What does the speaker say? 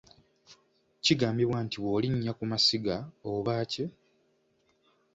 Kigambibwa nti bw’olinnya ku masiga oba ki?